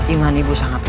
iman ibu sangat baik